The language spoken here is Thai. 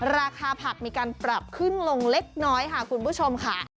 ราคาผักมีการปรับขึ้นลงเล็กน้อยค่ะคุณผู้ชมค่ะ